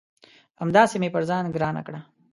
همداسي مې پر ځان ګرانه کړه